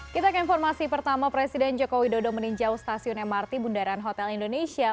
kita ke informasi pertama presiden joko widodo meninjau stasiun mrt bundaran hotel indonesia